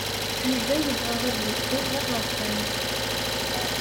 Yuba yebɣa ad yeqqel d aɣerfan.